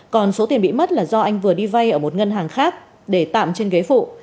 còn số tiền bị mất là do anh vừa đi vay ở một ngân hàng khác để tạm trên ghế phụ